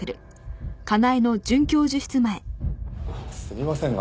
すみません